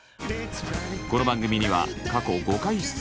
この番組には過去５回出演。